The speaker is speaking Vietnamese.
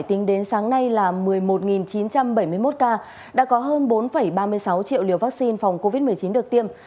tính đến sáng nay là một mươi một chín trăm bảy mươi một ca đã có hơn bốn ba mươi sáu triệu liều vaccine phòng covid một mươi chín được tiêm